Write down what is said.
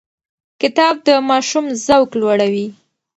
کتاب د ماشوم ذوق لوړوي.